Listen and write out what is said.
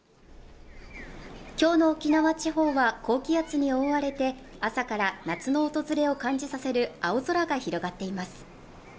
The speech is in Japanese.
今日の沖縄地方は高気圧に覆われて朝から夏の訪れを感じさせる青空が広がっています